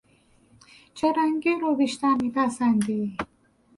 چه رنگی رو بیشتر میپسندی